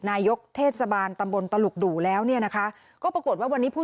นายกเทศบาลตำบลตลุกดู่แล้วเนี่ยนะคะก็ปรากฏว่าวันนี้ผู้